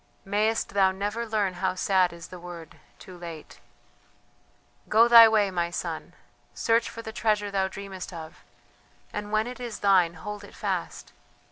Mayest thou never learn how sad is the word: Too late! Go thy way, my son. Search for the treasure thou dreamest of, and when it is thine hold it fast.